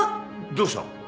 どうした？